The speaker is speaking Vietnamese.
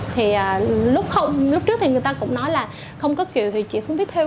thì lúc trước thì người ta cũng nói là không có kiểu thì chị không biết theo